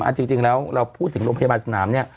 จริงแล้วเราพูดถึงโรงพยาบาลสนามเนี่ย